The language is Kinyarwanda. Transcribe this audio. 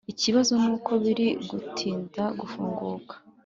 Ikibazo nuko biri gutinda gufunguka